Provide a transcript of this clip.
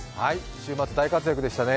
週末、大活躍でしたね。